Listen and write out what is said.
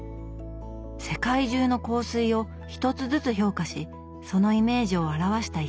世界中の香水を１つずつ評価しそのイメージを表した一冊。